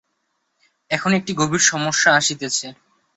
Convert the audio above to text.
এখন একটি গভীর সমস্যা আসিতেছে।